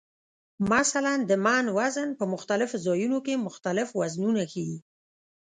مثلا د "من" وزن په مختلفو ځایونو کې مختلف وزنونه ښیي.